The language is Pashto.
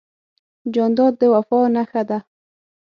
جانداد د وفا نښه ده.